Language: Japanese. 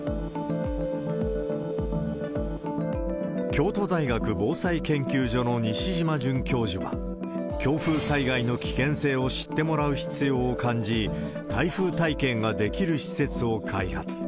京都大学防災研究所の西嶋准教授は、強風災害の危険性を知ってもらう必要を感じ、台風体験ができる施設を開発。